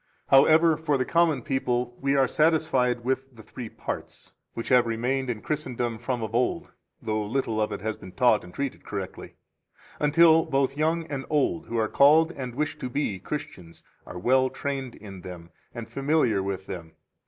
6 However, for the common people we are satisfied with the three parts, which have remained in Christendom from of old, though little of it has been taught and treated correctly until both young and old, who are called and wish to be Christians, are well trained in them and familiar with them.